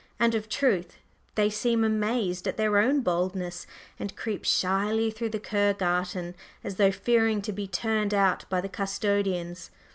And, of a truth, they seem amazed at their own boldness, and creep shyly through the Kur Garten as though fearing to be turned out by the custodians.